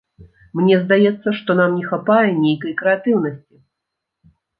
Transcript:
Мне здаецца, што нам не хапае нейкай крэатыўнасці.